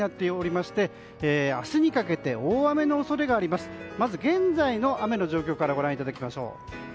まず現在の雨の状況からご覧いただきましょう。